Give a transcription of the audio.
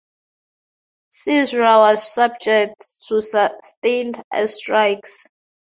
Cizre was subject to sustained airstrikes.